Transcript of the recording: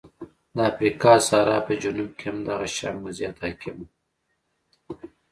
د افریقا صحرا په جنوب کې هم دغه شان وضعیت حاکم و.